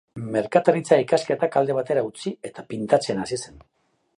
Merkataritza-ikasketak alde batera utzi eta pintatzen hasi zen.